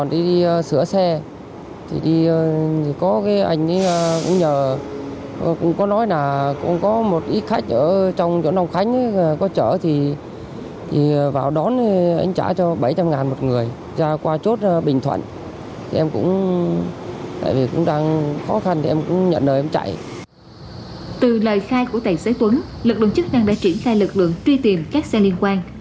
từ lời khai của tài xế tuấn lực lượng chức năng đã triển khai lực lượng truy tìm các xe liên quan